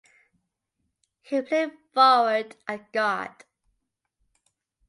He played forward and guard.